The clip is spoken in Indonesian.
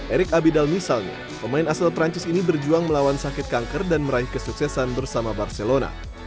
erik abidal misalnya pemain asal perancis ini berjuang melawan sakit kanker dan meraih kesuksesan bersama barcelona